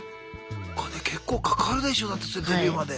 お金結構かかるでしょだってそれデビューまで。